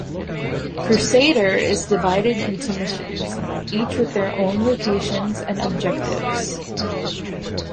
"Crusader" is divided into missions, each with their own locations and objectives.